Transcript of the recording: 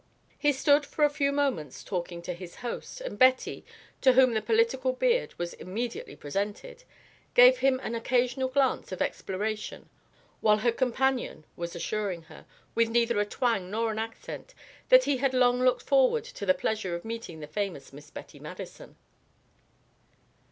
He stood for a few moments talking to his host, and Betty, to whom the political beard was immediately presented, gave him an occasional glance of exploration while her companion was assuring her, with neither a twang nor an accent, that he had long looked forward to the pleasure of meeting the famous Miss Betty Madison.